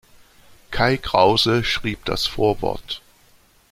Kai Krause schrieb das Vorwort.